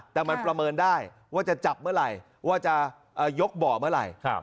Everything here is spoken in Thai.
แต่มันประเมินได้ว่าจะจับเมื่อไหร่ว่าจะยกบ่อเมื่อไหร่